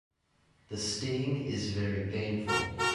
The sting is very painful.